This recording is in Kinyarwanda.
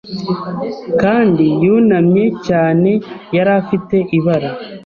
Kandi yunamye cyane yari afite ibara